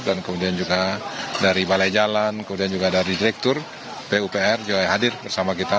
dan kemudian juga dari balai jalan kemudian juga dari direktur pupr juga yang hadir bersama kita